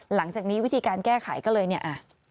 หลังจากนี้วิธีการแก้ไขก็เลยเนี่ย